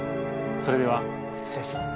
それでは失礼します。